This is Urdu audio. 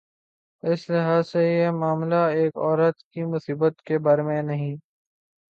اس لحاظ سے یہ معاملہ ایک عورت کی مصیبت کے بارے میں نہیں۔